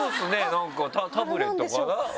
何かタブレットかな？